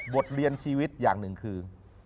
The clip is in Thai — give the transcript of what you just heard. บทเรียนชีวิตอย่างหนึ่งคือ